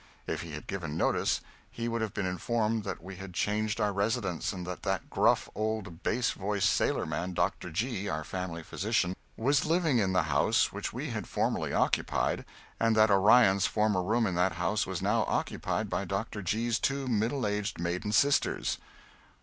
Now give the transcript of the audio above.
If he had given notice, he would have been informed that we had changed our residence and that that gruff old bass voiced sailorman, Dr. G., our family physician, was living in the house which we had formerly occupied and that Orion's former room in that house was now occupied by Dr. G.'s two middle aged maiden sisters.